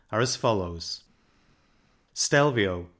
ire as follows :— Stelvio